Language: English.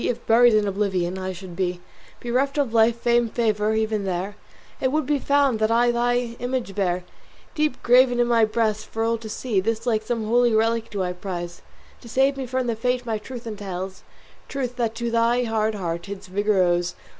If buried in oblivion I should be, Bereft of life, fame, favour, even there It would be found that I thy image bear Deep graven in my breast for all to see. This like some holy relic do I prize To save me from the fate my truth entails, Truth that to thy hard heart its vigour owes.